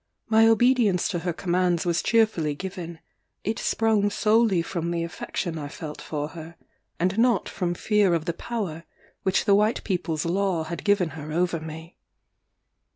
My obedience to her commands was cheerfully given: it sprung solely from the affection I felt for her, and not from fear of the power which the white people's law had given her over me.